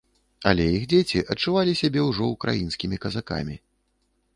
Але іх дзеці адчувалі сябе ўжо украінскімі казакамі.